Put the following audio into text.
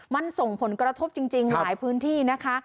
มันส่งผลกระทบจริงหลายพื้นที่นะคะ